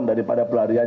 baik yang lain